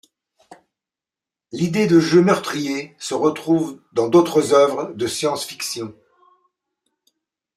L'idée de jeux meurtriers se retrouve dans d'autres œuvres de science-fiction.